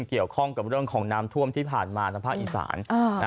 เกี่ยวข้องกับเรื่องของน้ำท่วมที่ผ่านมาทางภาคอีสาน